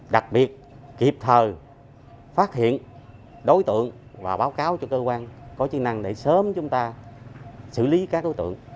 đặc biệt kịp thời phát hiện đối tượng và báo cáo cho cơ quan có chức năng để sớm chúng ta xử lý các đối tượng